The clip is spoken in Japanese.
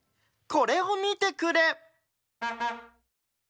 これを見てくれ！